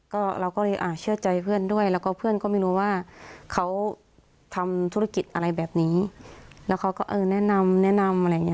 ก็เราก็เลยอ่ะเชื่อใจเพื่อนด้วยแล้วก็เพื่อนก็ไม่รู้ว่าเขาทำธุรกิจอะไรแบบนี้แล้วเขาก็เออแนะนำแนะนำอะไรอย่างนี้